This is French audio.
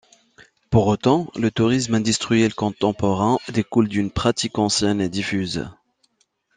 Pour autant, le tourisme industriel contemporain découle d'une pratique ancienne et diffuse.